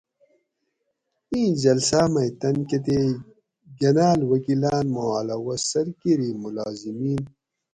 ایں جلساۤ مئ تن کتیک گناۤل وکیلاۤن ما علاوہ سرکیری ملازمین